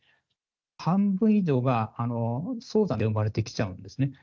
半分以上が早産で産まれてきちゃうんですね。